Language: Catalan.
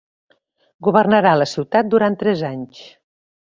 Governarà la ciutat durant tres anys.